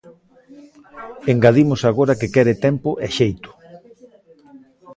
Engadimos agora que quere tempo e xeito.